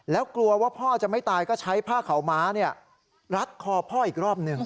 แล้วกลัวว่าพ่อจะไม่ตายก็ใช้ผ้าขาวม้ารัดคอพ่ออีกรอบหนึ่ง